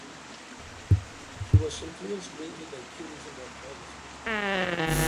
He was influenced greatly by Cubism or Fauvism.